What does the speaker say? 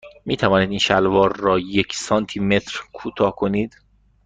می توانید این شلوار را یک سانتی متر کوتاه کنید؟